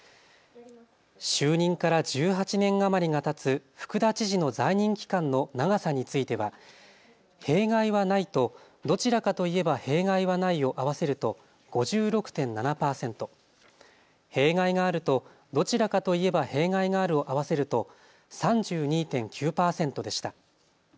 就任から１８年余りがたつ福田知事の在任期間の長さについては弊害はないとどちらかといえば弊害はないを合わせると５６．７％、弊害があると、どちらかといえば弊害があるを合わせると３２．９％でした。